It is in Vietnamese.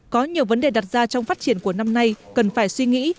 có nhiều vấn đề đặt ra trong phát triển của năm nay cần phải suy nghĩ